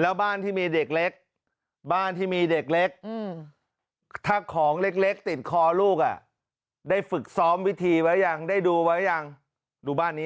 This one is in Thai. แล้วบ้านที่มีเด็กเล็กบ้านที่มีเด็กเล็กถ้าของเล็กติดคอลูกได้ฝึกซ้อมวิธีไว้ยังได้ดูไว้ยังดูบ้านนี้นะ